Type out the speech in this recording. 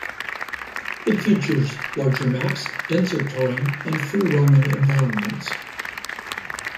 It features larger maps, denser terrain, and free-roaming environments.